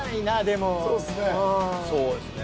そうですね。